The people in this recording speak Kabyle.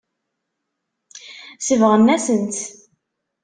Sebɣen-asen-tt.